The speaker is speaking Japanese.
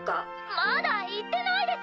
まだ言ってないです！